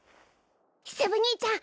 セブ兄ちゃん